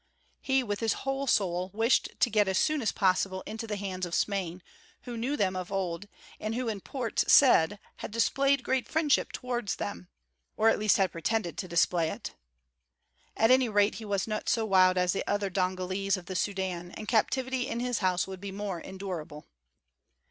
He with his whole soul wished to get as soon as possible into the hands of Smain, who knew them of old, and who in Port Said had displayed great friendship towards them, or at least had pretended to display it. At any rate he was not so wild as the other Dongolese of the Sudân, and captivity in his house would be more endurable.